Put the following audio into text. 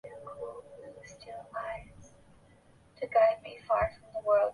量子密钥分发是利用量子力学特性实现密码协议的方法。